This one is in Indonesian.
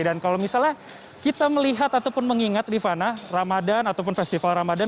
dan kalau misalnya kita melihat ataupun mengingat rifana ramadan ataupun festival ramadan